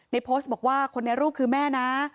โพสต์บอกว่าคนในรูปคือแม่นะ